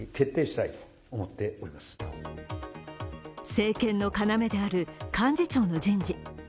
政権の要である幹事長の人事。